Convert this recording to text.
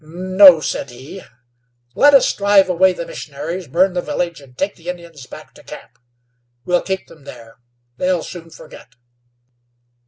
"No," said he; "let us drive away the missionaries, burn the village, and take the Indians back to camp. We'll keep them there; they'll soon forget."